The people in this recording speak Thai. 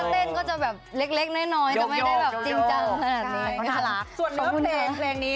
เป็นสาวขึ้นแล้วอยากจะมีความร้องความรักถึงขั้นเนี่ย